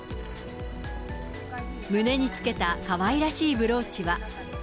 胸につけたかわいらしいブローチは。